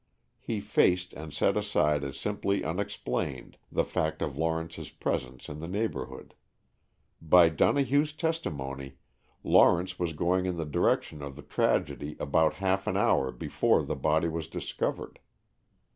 He faced and set aside as simply unexplained the fact of Lawrence's presence in the neighborhood. By Donohue's testimony, Lawrence was going in the direction of the tragedy about half an hour before the body was discovered.